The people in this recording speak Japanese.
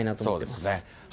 そうですね。